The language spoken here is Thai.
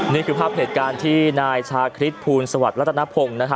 นี่คือภาพเหตุการณ์ที่นายชาคริสภูลสวัสดิรัฐนพงศ์